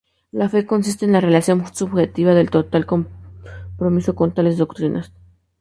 La fe consiste en la relación subjetiva de total compromiso con tales doctrinas.